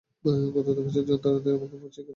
গত দু-বছরের যন্ত্রণারাশি আমাকে প্রভূত শিক্ষা দিয়েছে।